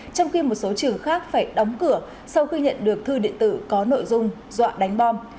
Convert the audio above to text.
trong khi một số trường khác phải đóng cửa sau khi nhận được thư điện tử có nội dung dọa đánh bom